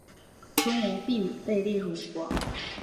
钟吾被并入吴国。